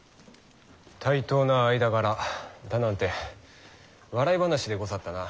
対等な間柄だなんて笑い話でござったな。